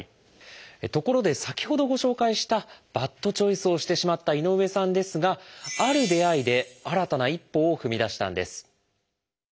ところで先ほどご紹介したバッドチョイスをしてしまった井上さんですがある出会いで新たな一歩を踏み出したんです。